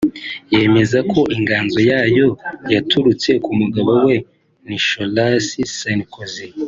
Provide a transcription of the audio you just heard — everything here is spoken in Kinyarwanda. yemeza ko inganzo yayo yaturutse ku mugabo we Nicholas Sarkozy